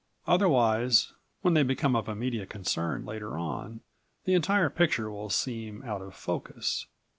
Otherwise when they become of immediate concern later on the entire picture will seem out of focus.